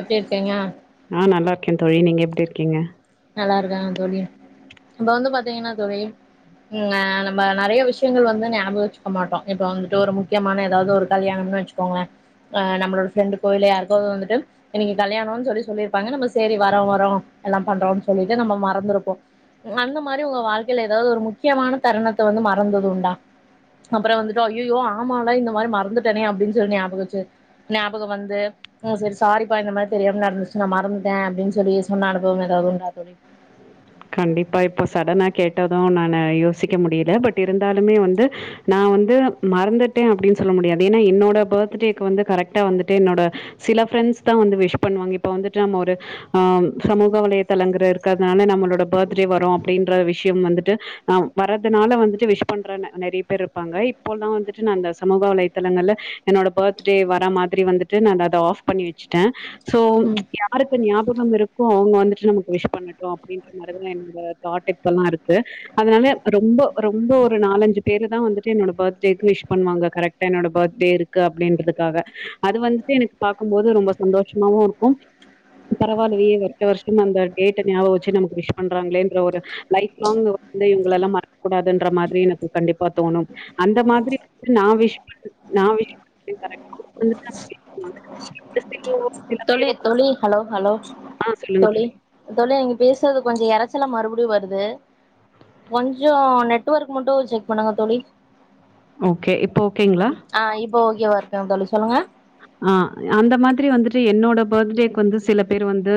எப்டி இருக்கீங்க நா நல்லா இருக்கேன் தோழி நீங்க எப்டி இருக்கீங்க நல்லா இருக்கேங்க தோழி இப்ப வந்து பாத்தீங்கன்னா தோழி ங்க நம்ப நறைய விஷயங்கள் வந்து ஞாபக வச்சுக்க மாட்டோ இப்போ வந்துட்டு ஒரு முக்கியமான எதாவ்து ஒரு கல்யாணம்னு வச்சு போங்களே அ நம்மளோட ஃப்ரெண்டுக்கே இல்ல யாருக்கோ வந்துட்டு இன்னைக்கி கல்யாணோனு சொல்லி சொல்லியிருப்பாங்க நம்ம செரி வரோ வரோ எல்லாம் பண்றோனு சொல்லிட்டு நம்ம மறந்துருப்போ அந்த மாரி உங்க வாழ்க்கையில எதாவ்து ஒரு முக்கியமான தருணத்த வந்து மறந்தது உண்டா அப்பறொ வந்துட்டோ ஐயயோ ஆமால இந்த மாரி மறந்துட்டேனே அப்டின்னு சொல்லி ஞாபகொச்சு ஞாபகம் வந்து ஆ செரி சாரிப்பா இந்த மாரி தெரியாம நடந்துச்சு நா மறந்துட்டே அப்டின் சொல்லி சொன்ன அனுபவம் எதாவ்து உண்டா தோழி கண்டிப்பா இப்போ சடனா கேட்டது நானு யோசிக்க முடியல பட் இருந்தாலுமே வந்து நா வந்து மறந்துட்டே அப்டின் சொல்ல முடியாது ஏனா என்னோட பர்த்டேக்கு வந்து கரெக்ட்டா வந்துட்டு என்னோட சில ஃப்ரெண்ட்ஸ் தா வந்து விஷ் பண்வாங்க இப்போ வந்துட்டு நம்ம ஒரு ஆ சமூக வலைத்தலங்குற இருக்கற்த்னால நம்மளோட பர்த்டே வரு அப்டின்ற விஷ்யம் வந்துட்டு அ வரதுனால வந்துட்டு விஷ் பண்ற ந நெறய பேர்ருப்பாங்க இப்போல்லா வந்துட்டு நா அந்த சமூக வலைதளங்கள்ல என்னோட பர்த்டே வரா மாதிரி வந்துட்டு நானு அத ஆஃப் பண்ணி வெச்சுட்டே ம் யாருக்கு ஞாபகம் இருக்கோ அவுங் வந்துட்டு நமக் விஷ் பண்ணட்டு அப்டின்ட்டு அந்த மாரி தா என்னோட தாட் இப்பல்லா இருக்கு அதுனால ரொம்போ ரொம்போ ஒரு நாலஞ்சு பேரு தா வந்துட்டு என்னோட பர்த்டேக்கு விஷ் பண்வாங்க கரெக்ட் டா என்னோட பர்த்டே இருக்கு அப்டின்றதுக்காக அது வந்துட்டு எனக் பாக்கும்போது ரொம்ப சந்தோஷ்மாவு இருக்கு பரவால்லயே வர்ஷ வர்ஷோ நம்ப டேட்ட ஞாபகோ வச்சு நமக் விஷ் பண்றாங்களேன்ற ஒரு லைஃப் லாங் வந்து இவுங்ளெல்லா மறக் கூடாதுன்ற மாதிரி எனக்கு கண்டிப்பா தோணு அந்த மாதிரி வந்து நா விஷ் பண் நா விஷ் பண்வே கரெக்ட்டா [inaudible] [inaudible] தோழி தோழி ஹலோ ஹலோ ஆ சொல்லுங்க தோழி தோழி நீங்க பேசற்து கொஞ்சோ எரச்சலா மறுபடி வருது கொஞ்சோ நெட்வொர்க் மட்டு செக் பண்ணுங்க தோழி ஓகே இப்ப ஓகேங்ளா ஆ இப்ப ஓகேவா இருக்குங் தோழி சொல்லுங்க ஆ அந்த மாதிரி வந்துட்டு என்னோட பர்த்டேக் வந்து சில பேர் வந்து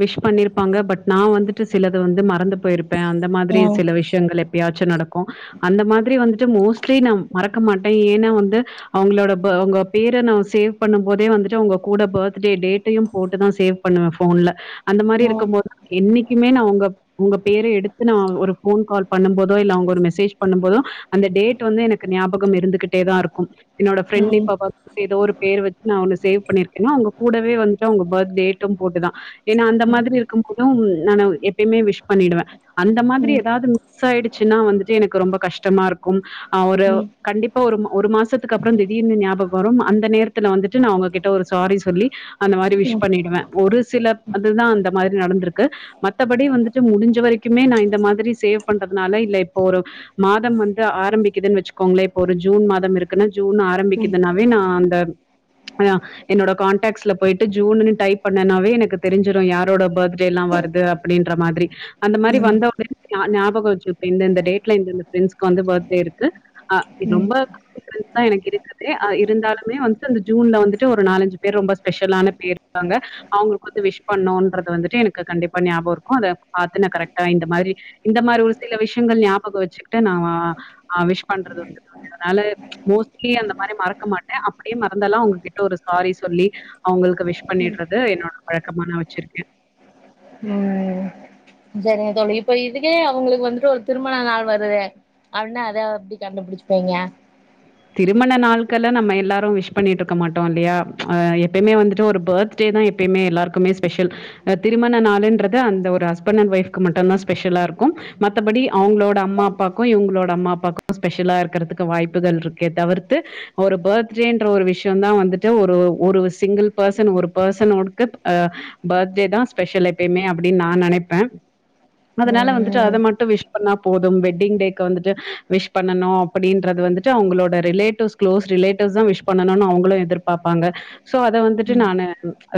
விஷ் பண்ணீர்ப்பாங்க பட் நா வந்துட்டு சிலது வந்து மறந்து போயிருப்பே அந்த மாதிரி ம் சில விஷ் யங்கள் எப்பயாச்சு நடக்கு அந்த மாதிரி வந்துட்டு மோஸ்ட்லி நா மறக்க மாட்டே ஏனா வந்து அவங்ளோட ப அவங்க பேர நா சேவ் பண்ணும் போதே வந்துட்டு அவ்ங்க கூட பர்த்டே டேட்டையு போட்டுதா சேவ் பண்ணுவே ஃபோன்ல அந்த மாரி ம் இருக்கும் போது என்னைக்குமே நா உங்க உங்க பேர எடுத்து நா ஒரு ஃபோன் கால் பண்ணும் போதோ இல்ல அவுங்க ஒரு மெசேஜ் பண்ணும் போதோ அந்த டேட்டு வந்து எனக்கு ஞாப கம் இருந்துகிட்டே தா இருக்கு என்னோட ஃப்ரெண்டு ம் இப்ப பர்த் [inaudible] எதோ ஒரு பேர் நா ஒன்னு சேவ் பண்ணிருக்கேன்னா அவுங்க கூடவே வந்துட்டு அவுங்க பர்த் டேட்டு போட்டுதா ஏனா அந்த மாதிரி இருக்கும் போது நானு எப்பயுமே விஷ் பண்ணிடுவே அந்த மாதிரி ம் ம் எதாவ்து மிஸ்சாய்டுச்சுன்னா வந்துட்டு எனக்கு ரொம்ப கஷ்டமாருக்கும் ஆ ஒரு கண்டிப்பா ஒரு ம ஒரு மாசத்துக்கப்பறோ திடீர்னு ஞாபகோ வரும் அந்த நேரத் துல வந்துட்டு நா அவுங்ககிட்ட ஒரு சாரி சொல்லி அந்த மாரி விஷ் ம் பண்ணிடுவ ஒரு சில அதுதா அந்த மாதிரி நடந்துருக்கு மத்தபடி வந்துட்டு முடிஞ்ச வரைக்குமே நா இந்த மாதிரி சேவ் பண்றதுனால இல்ல இப்போ ஒரு மாதம் வந்து ஆரம்பிக்குதுன் வெச்சுக்கோங்ளே இப்ப ஒரு ஜூன் மாதம் இருக்குன்னா ஜூன் ஆ ம் ரம்பிக்குதுனாவே நா அந்த அ என்னோட கான்டக்ஸ்ல போய்ட்டு ஜூனுனு டைப் பண்ணனாவே எனக்கு தெரிஞ்சிரு யாரோட பர்த்டேலா வருது அப்டின்ற மாதிரி அந்த மாரி ம் வந்த உட்னே [inaudible] நா ஞாபகோ வச்சுப்பே இந்தந்த டேட்ல இந்தந்த ஃப்ரெண்ட்ஸ்க் வந்து பர்த்டே இருக்கு அ ரொம்ப [inaudible] ஃப்ரெண்ட்ஸ் தா எனக்கு இருக்கற்தே அ இருந்தாலுமே வந் து அந்த ஜூன்ல வந்துட்டு ஒரு நாலஞ்சு பேர் ரொம்ப ஸ்பெஷலான பேர்ருக்காங்க அவுங்களுக் வந்து விஷ் பண்ணுன்றது வந்துட்டு எனக்கு கண்டிப்பா ஞாபகோ இருக்கு அத பாத்து நா கரெக்ட்டா இந்த மாதிரி இந்த மாரி ஒரு சில விஷயங்கள் ஞாபகோ வச்சுக்கிட்டு நா வ அ விஷ் பண்றது வந்து அதுனால மோஸ்ட்லி அந்த மாரி மறக்க மாட்டே அப் அப்டியே மறந்தாலு அவுங்ககிட்ட ஒரு சாரி சொல்லி அவுங்களுக்கு விஷ் பண்ணிட்றது என்னோட வழக்கமா நா வச்சிருக்கேன் ம் ஜெரிங்க தோழி இப்ப இதுவே அவுங்களுக்கு வந்துட்டு ஒரு திருமண நாள் வருதே அப்ட்னா அத எப்டி கண்டுபிடிச்சுப்பிங்க திருமண நாட்கள்லா நம்ம எல்லாரும் விஷ் பண்ணிட்ருக்க மாட்டோல்லையா அ எப்பயுமே வந்துட்டு ஒரு பேர்த் டேதான் எப்பயுமே எல்லாருக்குமே ஸ்பெஷல் அ திருமண நாளுன்றது அந்த ஒரு ஹஸ்பனண்ட் ஒய்ஃபுக்கு மட்டுந்தா ஸ்பெஷலாருக்கும் மத்தபடி அவுங்களோட அம்மாப்பாக்கும் இவுங்களோட அம்மாப்பாக்கும் ஸ்பெஷலாருக்கறத்துக்கு வாய்ப் கள் இருக்கே தவிர்த்து ஒரு பர்த்டேன்ற ஒரு விஷயந்தான் வந்துட்டு ஒரு ஒரு சிங்கிள் பர்சன் ஒரு பர்சனோடுக்கு அ பர்த்டே தான் ஸ்பெஷல் எப்பயுமே அப்டின் நா நெனைப்பேன் அதுனால வந்துட்டு அத ம் மட்டும் விஷ் பண்ணா போதும் வெட்டிங் டேக்கு வந்துட்டு விஷ் பண்ணணு அப்டின்றது வந்து ட்டு அவுங்களோட ரிலேட்டிவ்ஸ் க்ளோஸ் ரிலேட்டிவ்ஸ் தான் விஷ் பண்ணணுன்னு அவுங்களு எதிர்ப்பாப்பாங்க சோ அத வந்துட்டு ம் நானு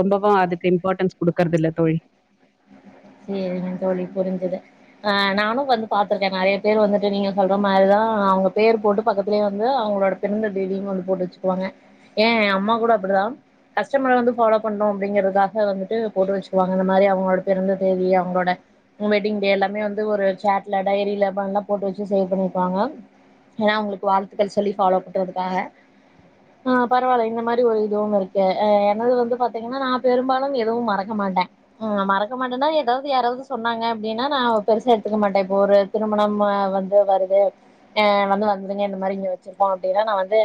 ரொம்பவும் அதுக்கு இம்பார்ட்டன்ஸ் குடுக்கறதில்ல தோழி இல்லைங் தோழி புரிஞ்சுது அ நானு வந்து பாத்துருக்கேன் நெறைய பேர் வந்துட்டு நீங்க சொல்ற மாரிதான் அவுங்க பேர் போட்டு பக்கத்துலே வந்து அவுங்களோட பிறந்த தேதியு கொண்டு போட்டு வச்சுக்குவாங்க ஏன் எங் அம்மா கூட அப்டிதான் கஸ்டமர வந்து ஃபாலோ பண்ணும் அப்டிங்கறதுக்காக வந்துட்டு போட்டு வச்சுக்குவாங்க இந்த மாரி அவுங்களோட பிறந்த தேதிய அவுங்களோட ம் வெட்டிங் டே எல்லாமே வந்து ஒரு சாட்ல டைரில போன்ல போட்டு வச்சு சேவ் பண்ணிருப்பாங்க ஏன் அவுங்களுக்கு வாழ்த்துக்கள் சொல்லி ஃபாலோ பண்றதுக்காக அ பரவால இந்த மாரி ஒரு இதுவுமிருக்கு என்னது வந்து பாத்தீங்கனா நா பெரும்பாலும் எதுவும் மறக்கமாட்டன் ம் மறக்க மாட்டனா என் னபத்தி யாராவுது சொன்னாங்க அப்டினா நா பெருசா எடுத்துக்க மாட்டன் இப்ப ஒரு திருமணம் ஆ வந்து வருது அ வந்து வந்துருங்க இந்த மாரி இங்க வச்சிருக்கோ அப்டினா நா வந்து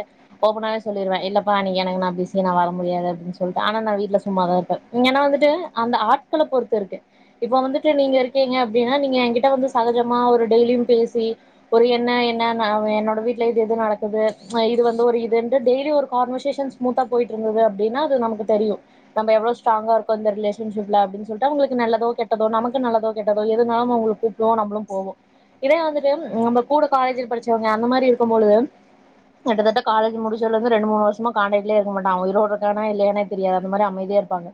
ஓப்பனாவே சொல்லிருவேன் இல்லப்பா அன்னக்கி எனக்கு நா பிசி நா வர முடியாது அப்டின் சொல்ட்டு ஆனா நா வீட்ல சும்மாதாருப்பன் இங்கனா வந்துட்டு அந்த ஆட்கள பொறுத்து இருக்கு இப்ப வந்துட்டு நீங்க இருக்கீங்க அப்டினா நீங்க எங்கிட்ட வந்து சகஜமா ஒரு டெய்லியும் பேசி ஒரு என்ன என்ன நா என்னோட வீட்ல இது இது நடக்குது இது வந்து ஒரு இதுன்ட்டு டெய்லி ஒரு கான்வர்சேஷன்ஸ் ஸ்மூத்தா போயிட்டுருந்துது அப்டினா அது நமக்குத் தெரியும் நம்ப எவ்ளோ ஸ்ட்டாங்காருக்கோ இந்த ரிலேஷன்ஷிப்ல அப்டின் சொல்ட்டு அவுங்குளுக்கு நல்லதோ கெட் டதோ நமக்கு நல்லதோ கெட்டதோ எதுனாலும் அவுங்கள கூப்புடுவோம் நம்புளும் போவோம் இதே வந்துட்டு நம்ப கூட காலேஜில் படிச்சவங்க அந்த மாரி இருக்கும்பொழுது கிட்டதட்ட காலேஜி முடிச் ஞ்சதுல இருந்து ரெண்டு மூணு வருஷமா காண்டக்ட்லே இருக்க மாட்டான் அவன் உயிரோட்ருக்கானா இல்லையானே தெரியாது அந்த மாரி அமைதியாருப்பாங்க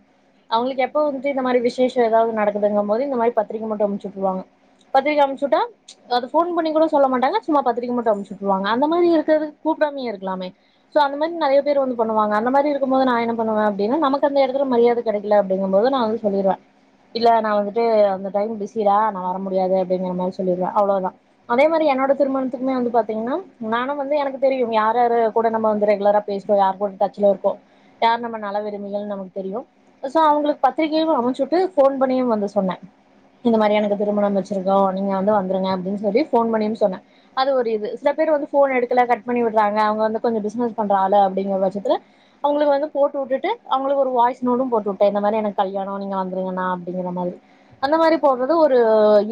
அவுங்களுக்கு எப்ப வந்துட்டு இந்த மாரி விசேஷ ஏதாவது நடக்குதுங்கம்போது இந்த மாரி பத்திரிக்க மட்டு அமிச்சுட்டுருவாங்க பத்திரிக்க அம்ச்சுட்டா அது போன் பண்ணி கூட சொல்ல மாட்டாங்க சும்மா பத்திரிக்கை மட்டும் அனுப்பி வச்சுட்டுருவங்க அந்த மாரி இருக்கிறதுக்கு கூப்படாமே இருக்கலாமே சோ அந்த மாரி நிறைய பேர் வந்து பண்ணுவாங்க அந்த மாரி இருக்கும் போது நான் என்ன பண்ணுவன் அப்டின்னா நமக்கு அந்த இடத்துல மரியாதை கெடைக்கல அப்டிங்கு போது நா வந்து சொல்லிருவேன் இல்ல நான் வந்துட்டு அந்த டைம் பிஸிடா நான் வர முடியாது அப்டிங்கிற மாரி சொல்லிருவேன் அவ்ளோதான் அதே மாரி என்னோட திருமணத்துக்குமே வந்து பார்த்தீங்கன்னா நானும் வந்து எனக்கு தெரியும் யார் யாரு கூட நம்ப வந்து ரகுலரா பேசறோம் யார்கூட டச்சில இருக்கோ யார் நம்ம நல்ல விரும்பிங்கன்னு நமக்கு தெரியும் சோ அவங்களுக்கு பத்திரிகைகளும் அமுச்சிசுட்டு ஃபோன் பண்ணியும் வந்து சொன்னேன் இந்த மாரி எனக்கு திருமணம் வச்சுருக்கோ நீங்க வந்து வந்துருங்க அப்டின் சொல்லி ஃபோன் பண்ணியும் சொன்னேன் அது ஒரு இது சில பேர் வந்து ஃபோன் எடுக்கல கட்டு பண்ணி விட்றாக அவங்க வந்து கொஞ்ச பிஸ்னஸ் பண்ற ஆளு அப்டிங்கற பட்சத்தில அவுங்ளுக்கு வந்து போட்டு உட்டுட்டு அவங்களுக்கு ஒரு வாய்ஸ் நோட்டு போட்டு உட்ட இந்த மாரி எனக்கு கல்யானோ நீங்க வந்து சரிங்க நா அப்டிங்கிற மாரி அந்த மாரி போட்றது ஒரு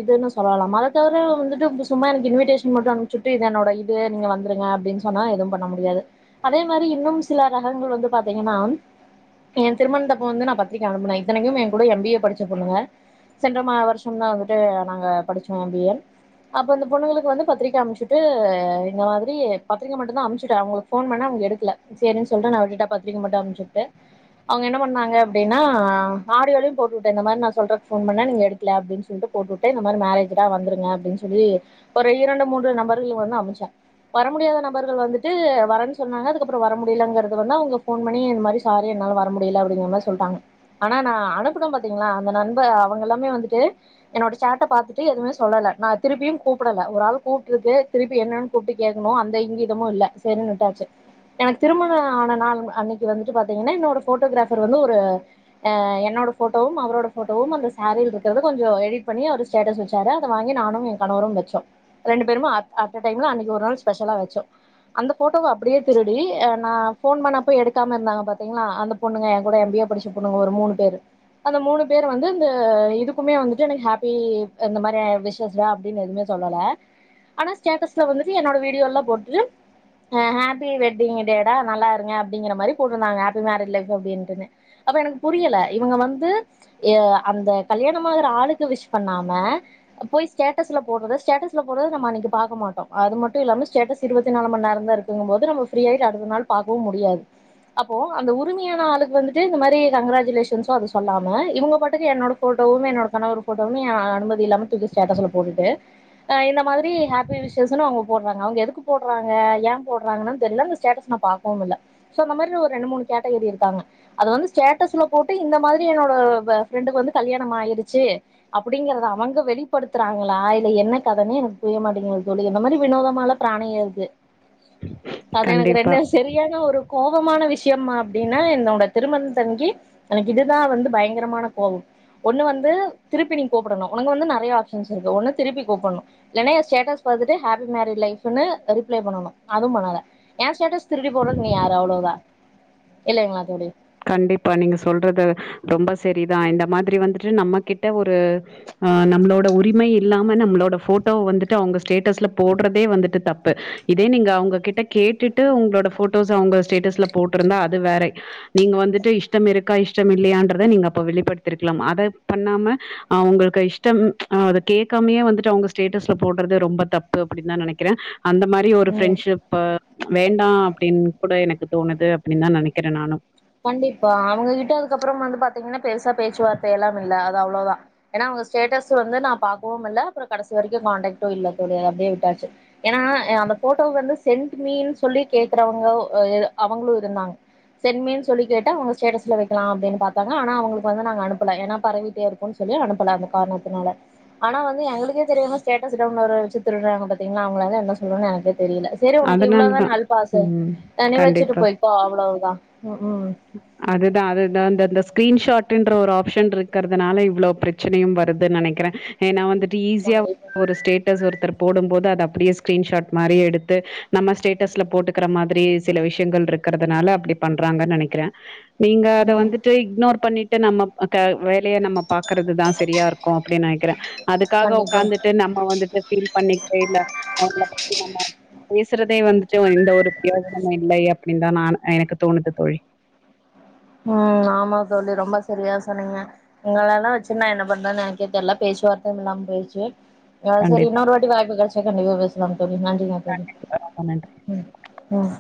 இதுனு சொல்லலா அத தவிர வந்துட்டு சும்மா எனக்கு இன்விடேஷன் மட்டு அனுப்சுட்டு இத என்னோட இது நீங்க வந்துருங்க அப்டின் சொன்னா எதுவு பண்ண முடியாது அதே மாரி இன்னும் சில ரகங்கள் வந்து பாத்தீங்கனா ஏ திருமணதப்ப வந்து நா பத்திரிக்க அனுப்புன இத்தனைக்கு ஏ கூட எம் பி ஏ படிச்ச பொண்ணுங்க சென்ற மா வருஷம் தா வந்துட்டு நாங்க படிசோ எம் பி ஏ அப்ப இந்த பொண்ணுங்களுக்கு வந்து பத்திரிக்க அம்ச்சிட்டு இந்த மாதிரி பத்திரிக்க மட்டுதா அம்ச்சிட்டு அவங்களுக் ஃபோன் பன்னா அவங்க எடுக்கல சேரின்சொல்ட்டு நா விட்டுட பத்திரிக்க மட்டுஅம்ச்சிவுட்டு அவங்க என்ன பண்ணாங்க அப்டின்னா ஆடியோலயயு போட்டுவுட்ட இந்த மார நா சொல்றக் ஃபோன் பண்ண நீங்க எடுக்கல அப்டின் சொல்ட்டு போட்வுட்ட இந்த மாரி மேரேஜ் டா வந்துருங்க அப்டின் சொல்லி ஒரு இரண்டு மூன்று நபர்கள் வந்து அம்ச வர முடியாத நபர்கள் வந்துட்டு வரன் சொன்னாங்க அதுக்கப்ரோ வர முடியலங்கறத வந்து அவங்க போன் பண்ணி இந்த மாரி சொல்லி சாரி என்னால் வர முடியல்ல அப்டிங்கிற மாரி சொல்ட்டாங்க ஆனா நா அனுப்புன பத்தீங்களா அந்த நண்பர் அவங்க எல்லாமே வந்துட்டு என்னோட சாட்ட பாத்துட்டு எதுவுமே சொல்லல நா திருபயு கூப்படல்ல ஒரு ஆள் கூப்ட்ருக்கு திருப்பி என்னன் கூப்ட்டு கேக்கணு அந்த இங்கீதமு இல்ல சேரின் விட்டாச்சி எனக்கு திருமணஆன நாள் அன்னக்கி வந்துட்டு பாத்தீங்கனா என்னோட போட்டோகிராபர் வந்து ஒரு ஹ என்னோட போட்டவும் அவரோட போட்டோவும் அந்த சோரில இருக்கத கொஞ்ஜோ எடிட் பண்ணி அடிச் ஸ்டேடஸ் வச்சாரு அத வாங்கி நானும் என் கணவரும் வச்சோம் ரெண்டு பேருமே அப்ப அட்ட டைம்ல அன்னக்கி ஒரு நாள் ஸ்பெஷலா வச்சோ அந்த போட்டோவ அப்டியே திருடி நா போன் பண்ணப்ப எடுக்காம இருந்தாங்க பாத்தீங்களா அந்த பொண்ணுங்க என் கூட எம் பி ஏ படிச்சப் பொண்ணுக ஒரு மூணு பேரு அந்த மூணு பேர் வந்து இந்த இதுக்குமே வந்துட்டு எனக்கு ஹாப்பி இந்த மாரி விஷஸ் டா அப்டின் எதுவுமே சொல்லல ஆனா ஸ்டேட்டஸ்ல வந்துட்டு என்னோட வீடியோ எல்லா போடுட்டு ஹ ஹாப்பி வெட்டி் டேடா நல்லா இருங்க அப்டிங்கிற மாரி போட்ருந்தாங்க ஹாப்பி மேரேஜ் லைஃப் அப்டின்டினு அப்ப எனக்கு புரியல இவங்க வந்து எ அந்த கல்யாணமாகற ஆளுக்கு விஷ் பண்ணாம போயி ஸேட்டஸ்ல போடுறத ஸ்டேட்டஸ் போறத நம்ம அன்னக்கி பாக்கமாட்டோ அது மட்டும் இல்லாம ஸ்டேட்டஸ் இருவத்தி நாலு மணி நேர தா இருக்கு ருக்கு போது நம்ம பிரீட்டு ஆயிட்டுஅடுத்த நாள் பாக்கவு முடியாது அப்போ அந்த உரிமையான ஆளுக்கு வந்துட்டு இந்தமாரி கங்ராச்சிலேஷசோ அது சொல்லாம இவங்க பாட்டுக்கு என்னோட போட்டோவுமே என்னோட கணவர் போட்டோவுமே அனுமதி இல்லாம தூக்கி ஸ்டேட்டஸல போட்டுட்டு இந்த மாதிரிஹாப்பி விஷர்ஸ்னு அவங்க போட்றாங்க அவங்க எதுக்கு போட்றாங்க ஏ போட்றாங்கனு தெரில இந்தஸ்டேட்டஸ் நா ஃபாக்ஸ் கோம்ல்ல சோ அந்த மாரி ஒரு ரெண்டு மூணு கேட்ட கிரி இருக்காங்க அது வந்து ஸ்டேட்டஸ்ல போட்டு இந்த மாதிரி என்னோட ஃப்ரெண்டுக்கு வந்து கல்யாணம் ஆயிருச்சி அப்டிங்கிறத அவங்க வெளிப்படுத்றாங்ளா இல்ல எண்ண கதனே எனக்கு புரியமாட்டேங்கிது தோழி இந்த மாரி வினோதமாளா ப்ராண ஏறுது அது எனக் கண்டிப்பா, ரெண்டு சரியான ஒரு கோபமான விஷ்யமா அப்டின்னா என்னோடத் திருமணத்தன்கி எனக்கு இதுதா வந்து பயங்கரமான கோவோ ஒண்ணு வந்து திருப்பி நீ கூப்பிடணு உனக்கு வந்து நறைய ஆப்ஷன்ஸ் இருக்கு ஒண்ணு திருப்பி கூப்புட்ணு இல்லனா ஏ ஸ்டேட்டஸ் பாத்துட்டு ஹாப்பி மேரேஜ் லைப்புன்னு ரிப்ளை பண்ணனு அதுவு பண்ணல ஏ ஸ்டேட்டஸ் திருடி போட்றதுக்கு நீ யாரு அவ்ளோதா இல்லிங்ளா தோழி கண்டிப்பா நீங்க சொல்றது ரொம்ப சரிதா இந்த மாதிரி வந்துட்டு நம்ம கிட்ட ஒரு அ நம்ளோட உரிமை இல்லாம நம்ளோட ஃபோட்டோ வந்துட்டு அவங்க ஸ்டேட்டஸ்ல போட்றதே வந்துட்டு தப்பு இதே நீங்க அவங்ககிட்ட கேட்டுட்டு உங்களோட போட்டோஸ்ச அவங்க ஸ்டேட்டஸ்ல போட்டிருந்தா அது வேறை நீங்க வந்துட்டு இஷ்டம் இருக்கா இஷ்டம் இல்லையன்றத நீங்க அப்ப வெளிப்படுத்திருக்கலாம் அத பண்ணாம அவ்களுக்கு இஷ்டம் அ அதை கேட்காமே வந்துட்டு அவங்க ஸ்டேட்டஸ்ல போட்றது ரொம்ப தப்பு அப்டின் தான் நெனைக்கிறேன் அந்த மா ரி ஒரு ம் ஃப்ரெண்ட்ஷிப் வேண்டாம் அப்டின் கூட எனக்கு தோணுது அப்டின் தா நெனைக்கிறேன் நானும் கண்டிப்பா அவங்கிட்ட அதுக்கப்புறம் வந்து பாத்தீங்ன்னா பெருசா பேச்சுவார்த்தை எல்லாம் இல்ல அது அவ்ளோதா ஏன்னா அவங்க ஸ்டேட்டஸ் வந்து நான் பா்க்கவும் இல்ல அப்புறம் கடைசி வரைக்கும் காண்டக்டும் இல்ல தோழி அத அப்டியே விட்டாச்சு ஏன்னா அந்த போட்டோ வந்து சென்ட் மீன்னு சொல்லி கேக்குறவங்க எ அவங்களும் இருந்தாங்க சென்ட் மீன் சொல்லி கேட்டு அவங்க ஸ்டேட்டஸ்ல வைக்கலாம் அப்டின்னு பாத்தாங்க ஆனா அவங்ளுக்கு வந்து அனுப்பலா ஏன்னா பரவிட்டே இருக்குன் சொல்லி அனுப்பல அந்த காரணத்தினால ஆனா வந்து எங்களுக்கே தெரியாம ஸ்டேட்டஸ் டவுன்லோட்டர் வச்சி திருடுறாங்க பாத்தீங்ளா அவங்களளா என்ன சொல்றன்னு எனக்கே தெரியல சரி உனக்கு அதனால இவ்ளோதான தான். அல்ப ஆச ம். நீ வச்சிட்டு கண்டிப்பா. போய்கோ அவ்வளவுதா ம் ம் அதுதா அதுதா அந்தந்த ஸ்கிரீன்ஷாடன்ற ஒரு ஆப்ஷன் இருக்கறதுனால இவ்வளவு பிரச்ச ச்சனையும் வருதுன்னு நெனைக்கிறேன் ஏனா வந்துட்டு ஈஸியா கண்டிப்பா ஒரு ஸ்டேட் டஸ் ஒருத்தர் போடும் போது அது அப்படியே ஸ்கிரீன்ஷாட் மாரி எடுத்து நம்ம ஸ்டேட்டஸ்ல போட்டு இருக்ற மாதிரி சில விஷ்யங்கள் இருக்றதுனால அப்டி பண்றாங்கன்னு நெனைக்கிறேன் நீங்க அத ம் வந்து ட்டு இக்னோர் பண்ணிட்டு நம்ம வேலையை நம்ம பாக்கறதுதா சரியா இருக்கும் அப்படின் நெனைக்கிறேன் அதுக்காக கண்டிப்பா ஒக்காந்துட்டு நம்ப வந்துட்டு பீல் பண்ணிட்டு இல்ல அவங்கள பத்தி நம்ம பேசுறதே வந்துட்டு எந்த ஒரு பிரயோஜனமும் இல்லை அப்டின்னு தா நான் எனக்கு தோணுது தோழி ம் ஆமா தோழி ரொம்ப சரியா சொன்னீங்க இவங்கள எல்லாம் வச்சு நா என்ன பண்றேன்னு எனக்கே தெரில்லா பேச்சுவார்த்தை இல்லாம போய்ச்சு ஆன் சரி கண்டிப்பா. இன்னொரு வாட்டி வாய்ப்பு கெடைச்சா கண்டிபா பேசலான் தோழி நன்றிங்க தோழி ஆமா நன்றி. ம் ம்